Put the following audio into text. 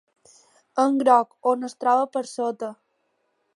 En groc, on es troba per sota.